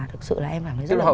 thực sự là em cảm thấy rất là buồn